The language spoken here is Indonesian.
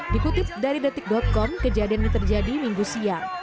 dikutip dari detik com kejadian ini terjadi minggu siang